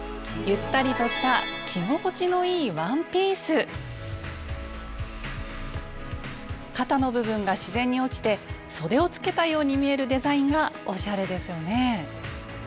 ゆったりとした肩の部分が自然に落ちてそでをつけたように見えるデザインがおしゃれですよね。